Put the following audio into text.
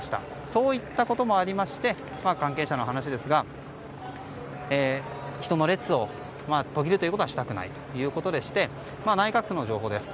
そういったこともありまして関係者の話ですが人の列を途切れることはしたくないということでして内閣府の情報です。